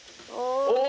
お！